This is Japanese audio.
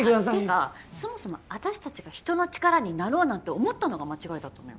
あってかそもそも私たちが人の力になろうなんて思ったのが間違いだったのよ。